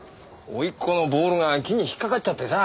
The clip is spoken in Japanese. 甥っ子のボールが木に引っかかっちゃってさ。